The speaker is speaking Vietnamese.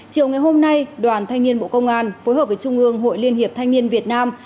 chiều ngày hôm nay đoàn thanh niên bộ công an phối hợp với trung ương hội liên hiệp thanh niên việt nam